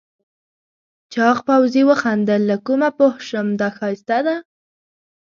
چاغ پوځي وخندل له کومه پوه شم دا ښایسته ده؟